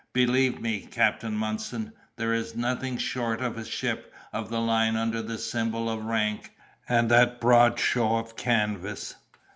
Believe me, Captain Munson, there is nothing short of a ship of the line under that symbol of rank, and that broad show of canvas!"